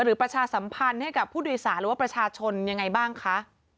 ประชาสัมพันธ์ให้กับผู้โดยสารหรือว่าประชาชนยังไงบ้างคะ